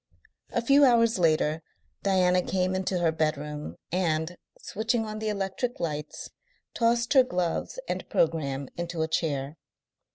A few hours later Diana came into her bedroom, and, switching on the electric lights, tossed her gloves and programme into a chair.